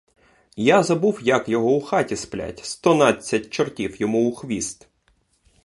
Я забув, як його у хаті сплять, стонадцять чортів йому у хвіст!